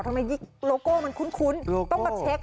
ทำไมยิกโลโก้มันคุ้นต้องมาเช็ค